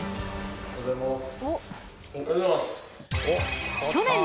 おはようございます。